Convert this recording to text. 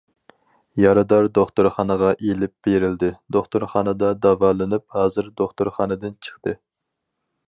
يارىدار دوختۇرخانىغا ئېلىپ بېرىلدى، دوختۇرخانىدا داۋالىنىپ ھازىر دوختۇرخانىدىن چىقتى.